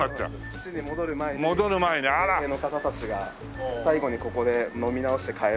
基地に戻る前に軍兵の方たちが最後にここで飲み直して帰ろう。